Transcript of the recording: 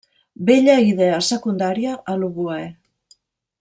Bella idea secundària a l'oboè.